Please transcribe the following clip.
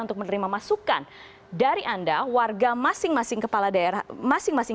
untuk menerima masukan dari anda warga masing masing kepala daerah masing masing